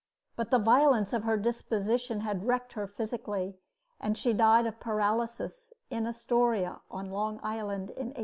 But the violence of her disposition had wrecked her physically; and she died of paralysis in Astoria, on Long Island, in 1861.